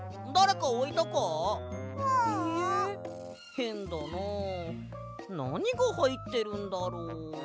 へんだななにがはいってるんだろ？